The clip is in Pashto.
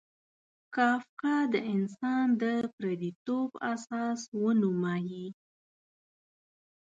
کافکا د انسان د پردیتوب احساس ونمایي.